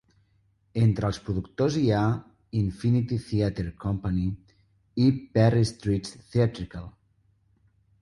Entre els productors hi ha Infinity Theatre Company i Perry Street Theatricals.